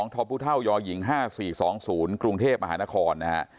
ทพยหญิง๕๔๒๐กรุงเทพมหานครนะฮะ